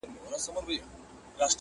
جانان ته تر منزله رسېدل خو تکل غواړي؛